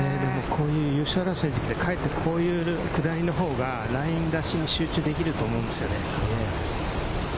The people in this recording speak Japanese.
優勝争いのときって、こういう下りの方がライン出しに集中できると思うんですよね。